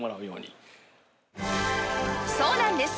そうなんです。